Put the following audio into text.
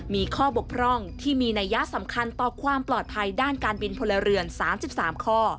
มีข้อบกพร่องที่มีนัยยะสำคัญต่อความปลอดภัยด้านการบินพลเรือน๓๓ข้อ